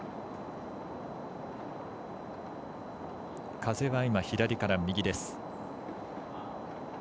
風は左から右です。